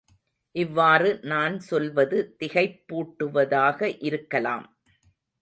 இவ்வாறு நான் சொல்வது திகைப்பூட்டுவதாக இருக்கலாம்.